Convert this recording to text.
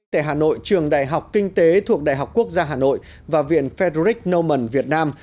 tại hà nội trường đại học kinh tế thuộc đại học quốc gia hà nội và viện fedrich noman việt nam